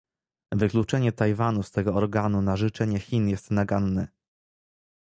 Wykluczenie Tajwanu z tego organu na życzenie Chin jest naganne